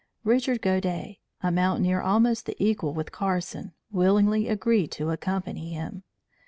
Richard Godey, a mountaineer almost the equal with Carson, willingly agreed to accompany him.